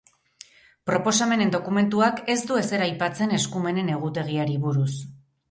Proposamenen dokumentuak ez du ezer aipatzen eskumenen egutegiari buruz.